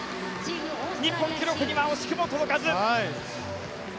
日本記録には惜しくも届かず。